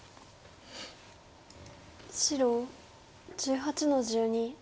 白１８の十二。